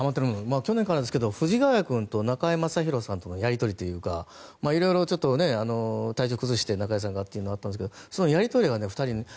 去年からですけど藤ヶ谷君と中居正広さんとのやり取りというかいろいろ、ちょっと中居さんが体調を崩してというのがあったんですけどそのやり取りがね、２人の。